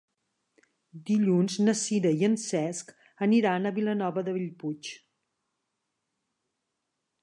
Dilluns na Sira i en Cesc aniran a Vilanova de Bellpuig.